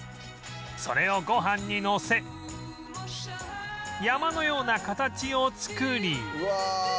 それをごはんにのせ山のような形を作り